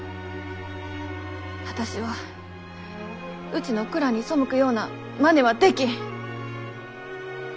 私はうちの蔵に背くようなマネはできん。